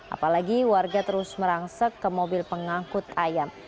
apalagi warga terus merangsek ke mobil pengangkut ayam